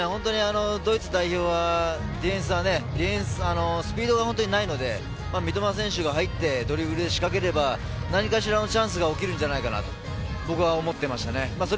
本当にドイツ代表はディフェンスはスピードが本当にないので三笘選手が入ってドリブルで仕掛ければ何かしらのチャンスが起きるんじゃないかと僕は思ってましたね。